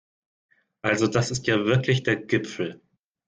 Also das ist ja wirklich der Gipfel